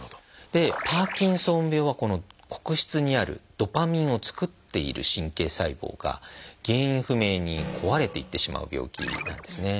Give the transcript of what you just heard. パーキンソン病はこの黒質にあるドパミンを作っている神経細胞が原因不明に壊れていってしまう病気なんですね。